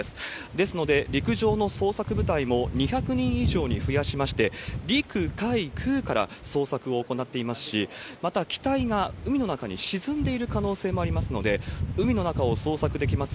ですので、陸上の捜索部隊も２００人以上に増やしまして、陸海空から捜索を行っていますし、また、機体が海の中に沈んでいる可能性もありますので、海の中を捜索できます